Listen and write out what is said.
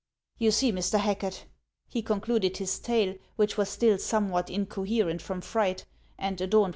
" You see, Mr. Hacket," lie concluded his tale, which was still somewhat incoherent from fright, and adorned HANS OF ICELAND.